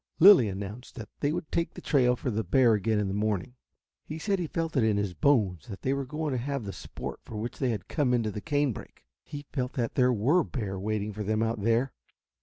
Lilly announced that they would take the trail for bear again in the morning. He said he felt it in his bones that they were going to have the sport for which they had come into the canebrake. He felt that there were bear waiting for them out there.